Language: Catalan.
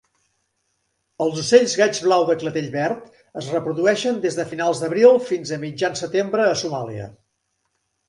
Els ocells gaig blau de clatell verd es reprodueixen des de finals d'abril fins a mitjan setembre a Somàlia.